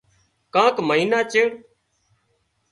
ڪانڪ مئينا چيڙ